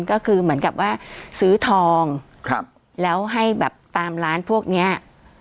ก็คือเหมือนกับว่าซื้อทองครับแล้วให้แบบตามร้านพวกเนี้ย